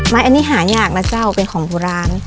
ไม้อันนี้หาอยากนะเจ้าเป็นของพูดร้าน